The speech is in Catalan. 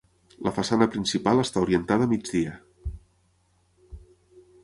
La façana principal està orientada a migdia.